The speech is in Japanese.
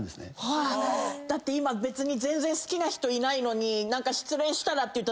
だって今別に全然好きな人いないのに何か。